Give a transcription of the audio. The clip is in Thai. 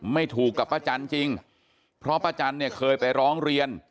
ไม่ถูกกับป้าจันจริงเพราะป้าจันเนี่ยเคยไปร้องเรียน